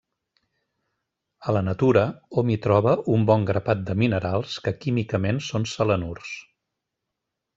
A la natura hom hi troba un bon grapat de minerals que químicament són selenurs.